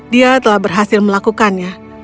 dia telah berhasil melakukannya